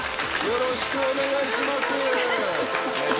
よろしくお願いします